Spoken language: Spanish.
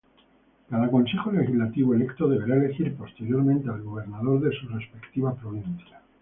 Cada Consejo Legislativo electo deberá elegir posteriormente al Gobernador de su respectiva provincia.